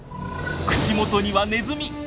口元にはネズミ！